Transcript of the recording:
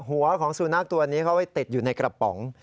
หัวของสุนัขตัวนี้เข้าไปติดอยู่ในกระป๋อง